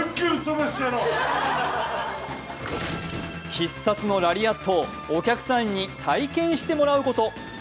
必殺のラリアットをお客さんに体験してもらうこと。